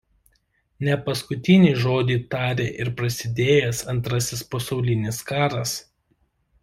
Ne paskutinį žodį tarė ir prasidėjęs Antrasis pasaulinis karas.